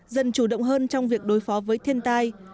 dần chủ động hơn trong việc đối phó với thiên tai